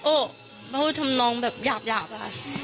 โอ้บ้าพวกเธ้ามน้องแบบหยาบแหละ